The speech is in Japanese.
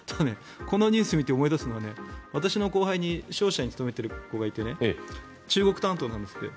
このニュースを見て思い出すのは私の後輩に商社に勤めている子がいて中国担当なんですって。